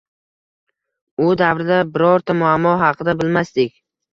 U davrda birorta muammo haqida bilmasdik.